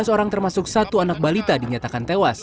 tiga belas orang termasuk satu anak balita dinyatakan tewas